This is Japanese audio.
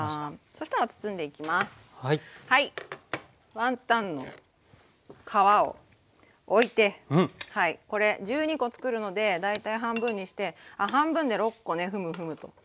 ワンタンの皮をおいてこれ１２コつくるので大体半分にして半分で６コねふむふむと。